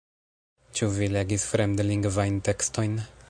Ĉu vi legis fremdlingvajn tekstojn?